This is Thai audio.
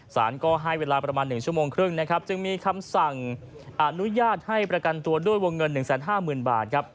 สารก็ให้เวลาประมาณ๑ชั่วโมงครึ่งนะครับจึงมีคำสั่งอนุญาตให้ประกันตัวด้วยวงเงิน๑๕๐๐๐บาทครับ